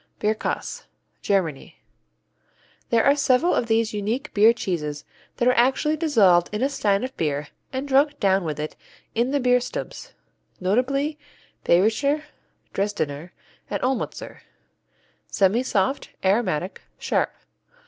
Bierkäse Germany There are several of these unique beer cheeses that are actually dissolved in a stein of beer and drunk down with it in the Bierstubes, notably Bayrischer, Dresdener, and Olmützer. Semisoft; aromatic; sharp.